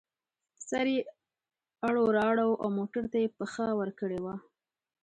سر یې اړو را اړوو او موټر ته یې پښه ورکړې وه.